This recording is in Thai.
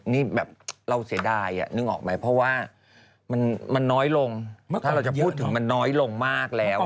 นี่แบบเราเสียดายนึกออกไหมเพราะว่ามันน้อยลงถ้าเราจะพูดถึงมันน้อยลงมากแล้ว